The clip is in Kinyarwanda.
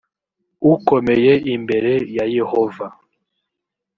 ukomeye imbere ya yehova